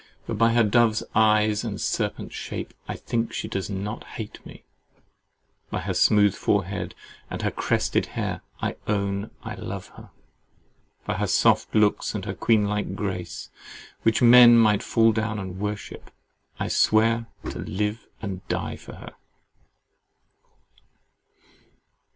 —But by her dove's eyes and serpent shape, I think she does not hate me; by her smooth forehead and her crested hair, I own I love her; by her soft looks and queen like grace (which men might fall down and worship) I swear to live and die for her!